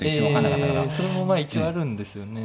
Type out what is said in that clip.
ええそれも一応あるんですよね。